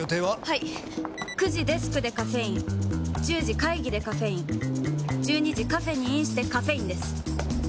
はい９時デスクでカフェイン１０時会議でカフェイン１２時カフェにインしてカフェインです！